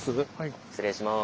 失礼します。